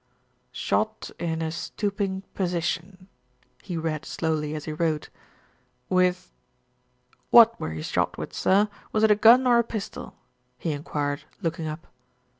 "Shot in a stooping position," he read slowly as he wrote, "with What were you shot with, sir, was it a gun or a pistol?" he enquired, looking up.